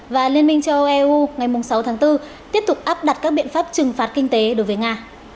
và liên minh châu âu eu ngày sáu tháng bốn tiếp tục áp đặt các biện pháp trừng phạt kinh tế đối với nga